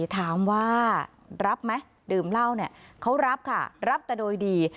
ถามว่ารับไหมดื่มเหล้าเนี่ยเขารับค่ะรับแต่โดยดี